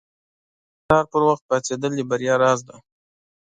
• د سهار پر وخت پاڅېدل د بریا راز دی.